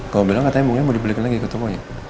kau bilang katanya bunganya mau dibelikan lagi ke tokonya